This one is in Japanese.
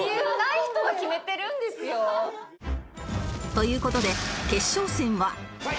という事で決勝戦は